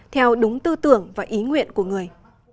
theo đúng tư tưởng và ý nguyện của người